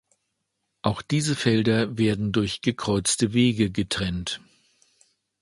Auch diese Felder werden durch gekreuzte Wege getrennt.